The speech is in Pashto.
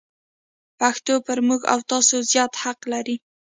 پښتو پر موږ او تاسو زیات حق لري.